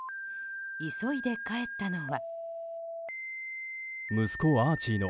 急いで帰ったのは。